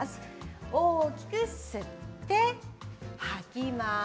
大きく吸って、吐きます。